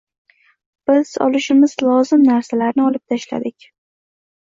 Biz olishimiz lozim narsalarni olib tashladik.